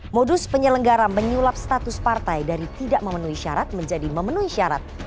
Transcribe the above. modus penyelenggara menyulap status partai dari tidak memenuhi syarat menjadi memenuhi syarat